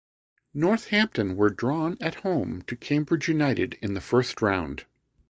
Northampton were drawn at home to Cambridge United in the first round.